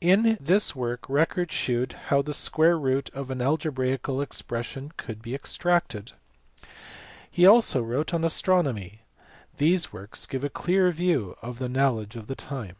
In this work Record shewed how the square root of an algebraical expression could be extracted. He also wrote an astronomy. These works give a clear view of the knowledge of the time.